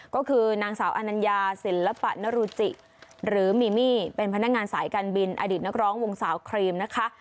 ก็คือนางสาวอนัญญาศิลปะนรุจิหรือมีมี่เป็นพนักงานสายการบินอดีตนักร้องวงสาวครีมนะคะ